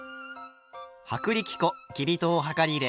薄力粉きび糖を量り入れ